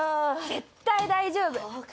絶対大丈夫！